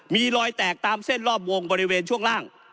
มีรอยแตกตามเส้นรอบวงบริเวณช่วงล่าง